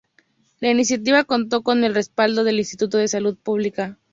La iniciativa contó con el respaldo del Instituto de Salud Pública.